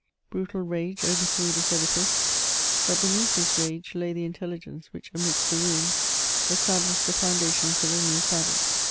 Brutal rage over threw this edifice, but beneath this rage lay the intelligence which amidst the ruins, established the foundations of a new fabric.